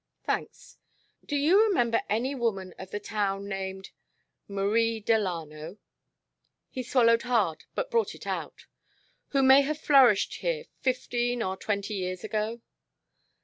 "Thanks. Do do you remember any woman of the town named Marie Delano?" He swallowed hard but brought it out. "Who may have flourished here fifteen or twenty years ago?"